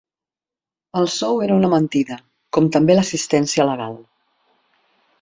El sou era una mentida, com també l’assistència legal.